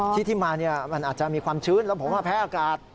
ที่ที่มามันอาจจะมีความชื้นแล้วผมก็แพ้อากาศ